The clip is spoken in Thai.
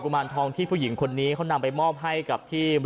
อืมที่นี่ดีไหมที่นี่ดีไหม